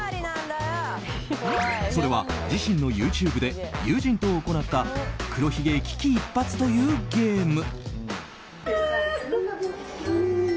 それは自身のＹｏｕＴｕｂｅで友人と行なった黒ひげ危機一発というゲーム。